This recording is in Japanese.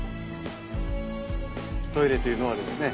トイレというのはですね